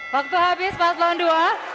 waktu habis pak selon ii